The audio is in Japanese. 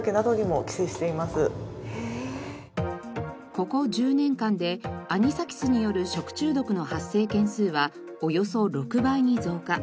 ここ１０年間でアニサキスによる食中毒の発生件数はおよそ６倍に増加。